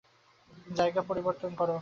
জায়গা পরিবর্তন কর!